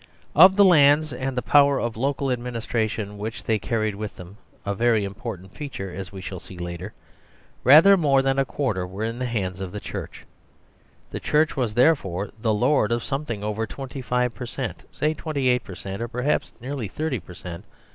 Of the demesne lands, and the power of local ad ministration which they carried with them (a very important feature, as we shall see later), rather more than a quarter were in the hands of the Church ; the Church was therefore the "Lord "of something over 25 per cent, say 28 per cent, or perhaps nearly 30 61 THE SERVILE STATE per cent.